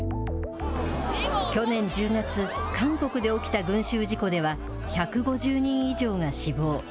去年１０月、韓国で起きた群集事故では、１５０人以上が死亡。